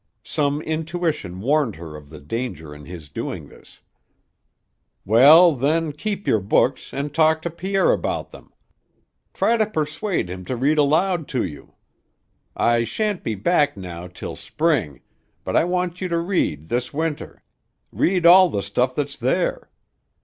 Some intuition warned her of the danger in his doing this. "Well, then, keep your books and talk to Pierre about them. Try to persuade him to read aloud to you. I shan't be back now till spring, but I want you to read this winter, read all the stuff that's there.